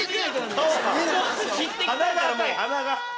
鼻が赤い！